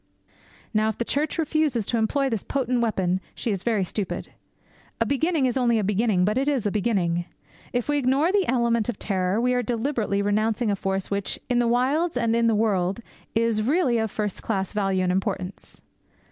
Now if the Church refuses to employ this potent weapon, she is very stupid. A beginning is only a beginning, but it is a beginning. If we ignore the element of terror, we are deliberately renouncing a force which, in the wilds and in the world, is of really first class value and importance.